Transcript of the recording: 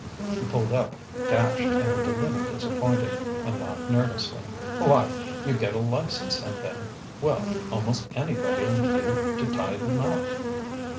He pulled up, dashed and a little disappointed, and laughed nervously. "Why, you get a license and then well, almost anybody'll do to tie the knot."